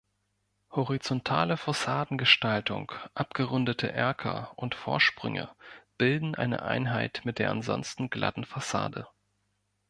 Horizontale Fassadengestaltung, abgerundete Erker und Vorsprünge bilden eine Einheit mit der ansonsten glatten Fassade.